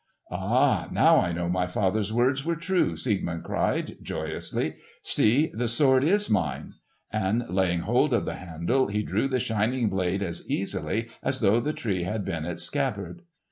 "Ah, now I know my father's words were true!" Siegmund cried, joyously. "See! the sword is mine!" And laying hold of the handle he drew the shining blade as easily as though the tree had been its scabbard.